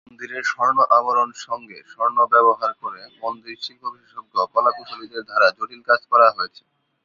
মন্দিরের স্বর্ণ আবরণ সঙ্গে, স্বর্ণ ব্যবহার করে মন্দির শিল্প বিশেষজ্ঞ কলাকুশলীদের দ্বারা জটিল কাজ করা হয়েছে।